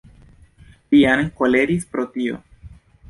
Lian koleris pro tio.